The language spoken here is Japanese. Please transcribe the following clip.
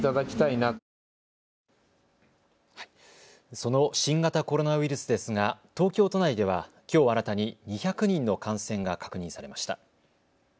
その新型コロナウイルスですが東京都内ではきょう新たに２００人の感染が確認されました。